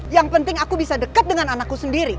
yang penting aku bisa dekat dengan anakku sendiri